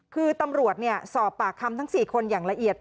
คือตำรวจสอบปากคำทั้ง๔คนอย่างละเอียด